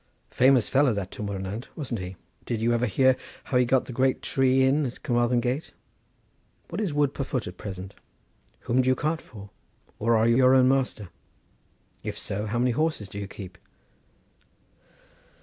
"Famous fellow that Twm O'r Nant, wasn't he? Did you ever hear how he got the great tree in at Carmarthen Gate? What is wood per foot at present? Whom do you cart for? Or are you your own master? If so, how many horses do you keep?"